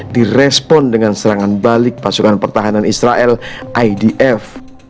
direspon dengan serangan balik pasukan pertahanan israel idf